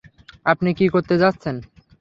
আপনি কী করতে যাচ্ছেন?